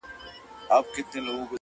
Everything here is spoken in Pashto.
کله کله به لا سر سو په رمباړو -